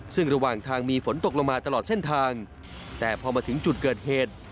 ซึ่งระหว่างทางมีฝนตกลงมาตลอดเส้นทางแต่พอมาถึงจุดเกิดเหตุ